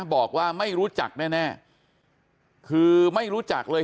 บอกว่าไม่รู้จักแน่คือไม่รู้จักเลย